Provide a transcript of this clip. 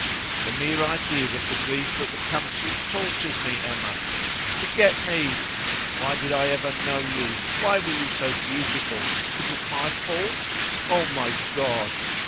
The mere idea of the grief that would come to you tortures me, Emma. Forget me! Why did I ever know you? Why were you so beautiful? Is it my fault? O my God!